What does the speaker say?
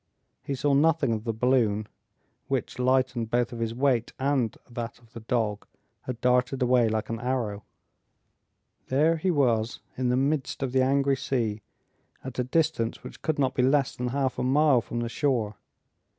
He saw nothing of the balloon, which, lightened both of his weight and that of the dog, had darted away like an arrow. There he was, in the midst of the angry sea, at a distance which could not be less than half a mile from the shore.